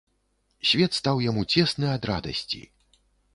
Свет стаў яму цесны ад радасці.